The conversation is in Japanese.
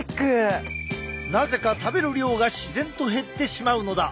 なぜか食べる量が自然と減ってしまうのだ。